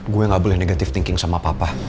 gue gak boleh negative thinking sama papa